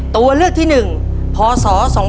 ตัวเลือกที่หนึ่งพศ๒๐๐๐